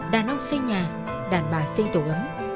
đàn ông xây nhà đàn bà xây tổ gấm